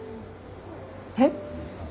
えっ。